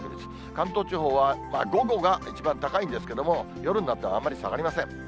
関東地方は、午後が一番高いんですけれども、夜になってあんまり下がりません。